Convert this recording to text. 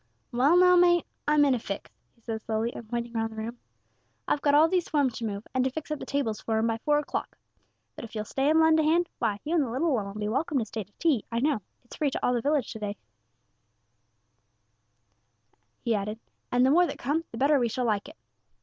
"Well now, mate, I'm in a fix," he said, slowly, and pointing round the room; "I've got all these forms to move, and to fix up the tables for 'em by four o'clock; but if you'll stay and lend a hand, why, you and the little 'un 'll be welcome to stay to tea, I know; it's free to all the village to day," he added, "and the more that come, the better we shall like it."